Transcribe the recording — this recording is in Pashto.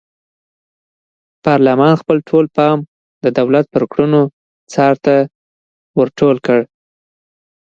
پارلمان خپل ټول پام د دولت پر کړنو څار ته ور ټول کړ.